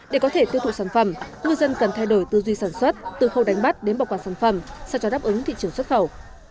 để có thể tiêu thụ sản phẩm ngư dân cần thay đổi tư duy sản xuất từ khâu đánh bắt đến bảo quản sản phẩm sao cho đáp ứng thị trường xuất khẩu